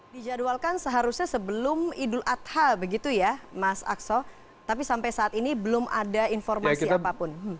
dijadwalkan seharusnya sebelum idul adha begitu ya mas akso tapi sampai saat ini belum ada informasi apapun